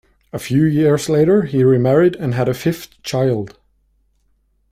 A few years later he remarried and had a fifth child.